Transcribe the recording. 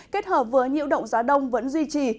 kết hợp với nhiễu động gió đông vẫn duy trì